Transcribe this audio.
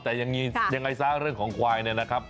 แต่ยังไงซะเรื่องของควายเนี่ยนะครับ